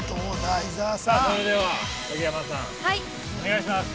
◆さあ、それでは、影山さんお願いします。